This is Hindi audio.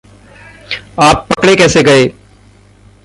आप पकड़े कैसे गये?